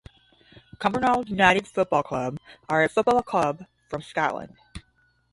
Cumbernauld United Football Club are a football club from Scotland.